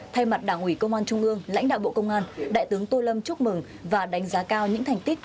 thay mặt đảng ủy công an trung ương lãnh đạo bộ công an đại tướng tô lâm chúc mừng và đánh giá cao những thành tích